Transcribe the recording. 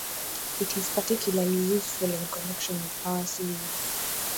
It is particularly useful in connection with power series.